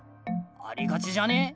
ありがちじゃね？